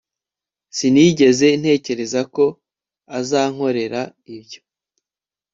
sinigeze ntekereza ko azankorera ibyo